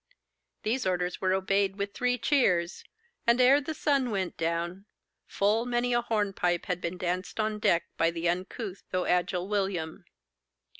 These orders were obeyed with three cheers; and ere the sun went down full many a hornpipe had been danced on deck by the uncouth though agile William.